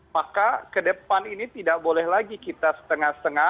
maka kedepan ini tidak boleh lagi kita setengah setengah